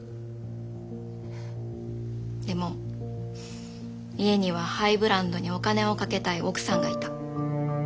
でも家にはハイブランドにお金をかけたい奥さんがいた。